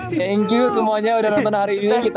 thank you semuanya udah nonton hari ini kita sudah disini ya